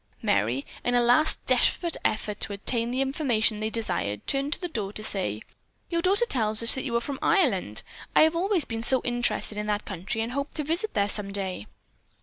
Merry, in a last desperate effort to obtain the information they desired, turned at the door to say, "Your daughter tells us that you are from Ireland. I have always been so interested in that country and hope to visit there some day."